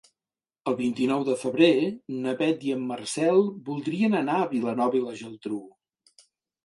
El vint-i-nou de febrer na Beth i en Marcel voldrien anar a Vilanova i la Geltrú.